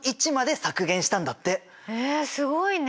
えすごいね！